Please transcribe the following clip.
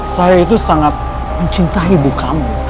saya itu sangat mencintai ibu kamu